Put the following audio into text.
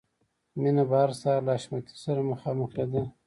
مینه به هر سهار له حشمتي سره مخامخېده